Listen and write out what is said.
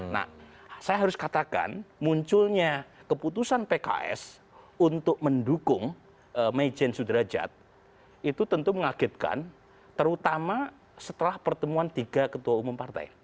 nah saya harus katakan munculnya keputusan pks untuk mendukung maijen sudrajat itu tentu mengagetkan terutama setelah pertemuan tiga ketua umum partai